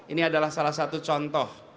ini adalah salah satu contoh